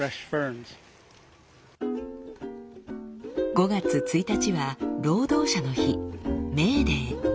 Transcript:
５月１日は労働者の日「メーデー」。